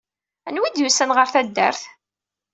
Anwa id yussan ɣer taddart?